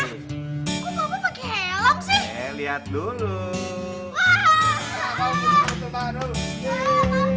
tapi kalo harus habis minggu rame banget pah